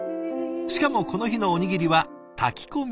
しかもこの日のおにぎりは炊き込みごはん。